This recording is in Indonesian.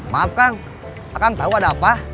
maaf kang kang tau ada apa